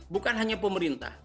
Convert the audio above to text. bukan hanya pemerintah